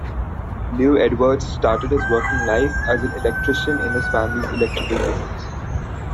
Llew Edwards started his working life as an electrician in his family's electrical business.